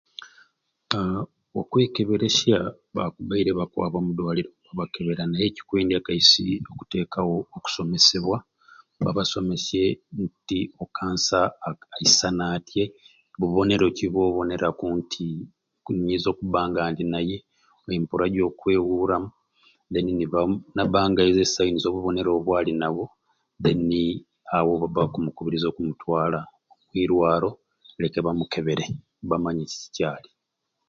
Aaa okwekeberesya bakubaire bakwaba mudwaliro nibakebera naye cikwendya kaisi okutekawo okusomesebwa babasomesye di okansa aisana atyai bubonero ki bwoboneraku nti ku nyinza okuba nga ndi naye empuura jokwewuuramu deni niba naba ezo sainizi obubonero obwo bwali nabwo deni awo baba bakumukubiriza okumutwala omuirwaro leke bamukebere bamanye kiki kyali.